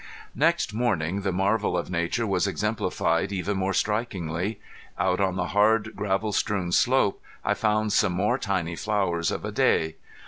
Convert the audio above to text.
Next morning the marvel of nature was exemplified even more strikingly. Out on the hard gravel strewn slope I found some more tiny flowers of a day.